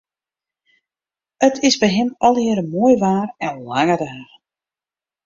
It is by him allegearre moai waar en lange dagen.